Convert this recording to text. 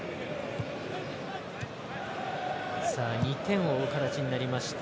２点を追う形になりました。